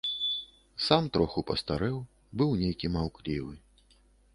Сам троху пастарэў, быў нейкі маўклівы.